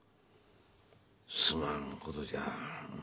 すまんことじゃ。